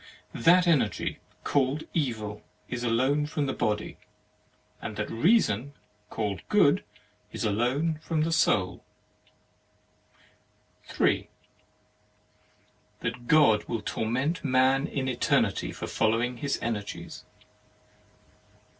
That Energy, called Evil, is alone from the Body ; and that Reason, called Good, is alone from the Soul. 3. That God will torment man in Eternity for following his Energies.